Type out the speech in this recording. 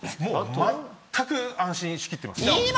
まったく安心しきってます。